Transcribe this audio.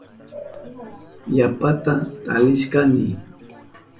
Yapata talishkani.